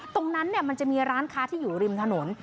ตรงนั้นเนี่ยมันจะมีร้านค้าที่อยู่ริมถนน